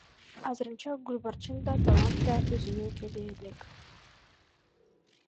Азырынча Гүлбарчын да, Талант да өзүнө келе элек.